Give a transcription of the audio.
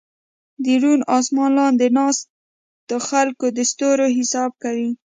د روڼ اسمان لاندې ناست خلک د ستورو حساب کوي.